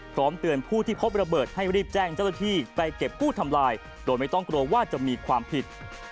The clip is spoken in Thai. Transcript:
พร้อมเตือนผู้ที่พบระเบิดให้รีบแจ้งเจ้าหน้าที่ไปเก็บกู้ทำลายโดยไม่ต้องกลัวว่าจะมีความผิด